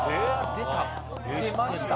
出ました。